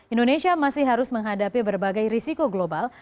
indonesia masih harus menghadapi berbagai risiko global